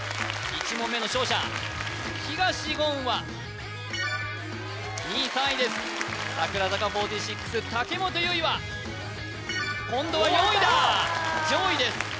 １問目の勝者東言は２位３位です櫻坂４６武元唯衣は今度は４位だ上位です